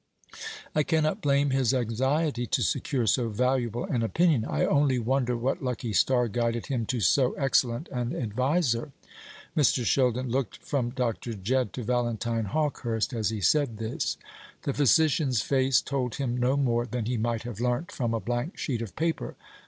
"I cannot blame his anxiety to secure so valuable an opinion. I only wonder what lucky star guided him to so excellent an adviser." Mr. Sheldon looked from Dr. Jedd to Valentine Hawkehurst as he said this. The physician's face told him no more than he might have learnt from a blank sheet of paper.